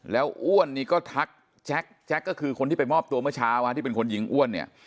แล้วอ้วนนี่ก็ทักแจ็คแจ็คก็คือคนที่ไปมอบตัวเมื่อเช้าที่เป็นคนยิงอ้วนเนี่ย